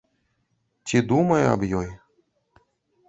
Ці думае аб ёй?